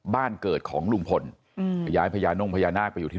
บ้านเกิดของลุงพลไปย้ายพญาน่งพญานาคไปอยู่ที่